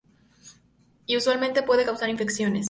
Y usualmente puede causar infecciones.